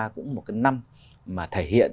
cũng một cái năm mà thể hiện